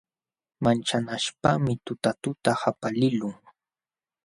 Manchanaśhpaqmi tutatuta qapaliqlun.